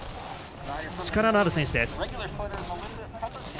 力のある選手です。